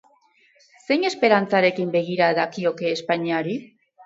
Zein esperantzarekin begira dakioke Espainiari?